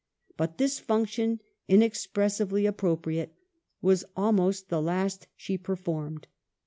But this function, in ykTioria expressibly appropriate, was almost the last she performed.